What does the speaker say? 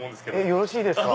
よろしいですか？